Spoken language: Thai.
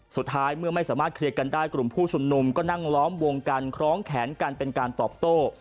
สุดท้ายเมื่อไม่สามารถเคลียร์กันได้กลุ่มผู้ชุมนุมก็นั่งล้อมวงกันคล้องแขนกันเป็นการตอบโต้